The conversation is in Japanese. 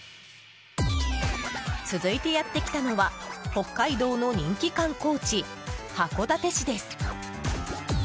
続いてやってきたのは北海道の人気観光地、函館市です。